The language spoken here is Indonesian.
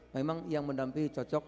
memang yang mendampingi cocok